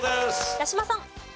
八嶋さん。